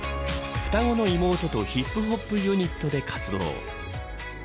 双子の妹とヒップホップユニットで活動。